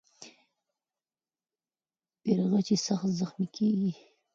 بیرغچی سخت زخمي کېږي.